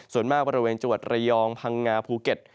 ส่วนมากบริเวณจังหวัดระยองพังงาภูเก็ต